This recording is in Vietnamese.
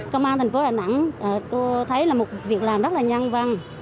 công an tp đà nẵng tôi thấy là một việc làm rất là nhân văn